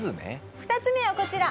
２つ目はこちら。